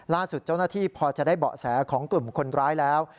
ล่าสุดเจ้าหน้าที่พอจะได้เบาะแสของกลุ่มคนร้ายแล้ว